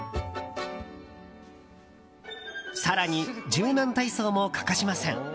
更に、柔軟体操も欠かしません。